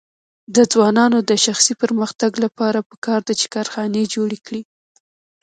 د ځوانانو د شخصي پرمختګ لپاره پکار ده چې کارخانې جوړې کړي.